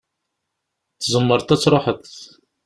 Tzemreḍ ad tṛuḥeḍ.